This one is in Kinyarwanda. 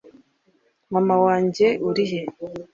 mama wanjye, urihe